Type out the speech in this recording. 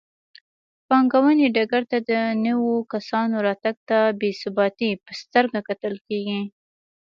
پانګونې ډګر ته د نویو کسانو راتګ ته بې ثباتۍ په سترګه کتل کېدل.